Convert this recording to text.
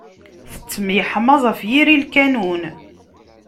Tettemyeḥmaẓ ɣef yiri lkanun.